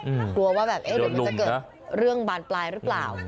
กลัวว่าแบบจะเกิดเรื่องบานปลายหรือเปล่า